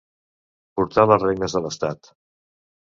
Portar les regnes de l'estat.